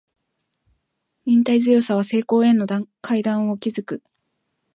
忍耐強さは成功への階段を築く